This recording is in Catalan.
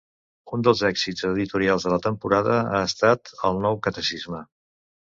Un dels èxits editorials de la temporada ha estat el Nou Catecisme .